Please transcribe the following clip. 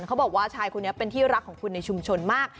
เขาบอกว่าชายคนนี้เป็นที่รักของคุณในชุมชนมาก